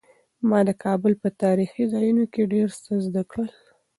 ما د کابل په تاریخي ځایونو کې ډېر څه زده کړل.